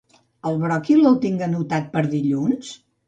El bròquil el tinc anotat per dilluns?